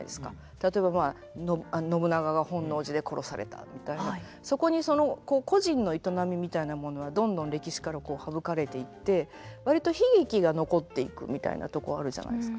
例えばまあ信長が本能寺で殺されたみたいなそこに個人の営みみたいなものはどんどん歴史から省かれていって割と悲劇が残っていくみたいなとこあるじゃないですか。